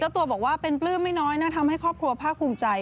ตัวบอกว่าเป็นปลื้มไม่น้อยนะทำให้ครอบครัวภาคภูมิใจ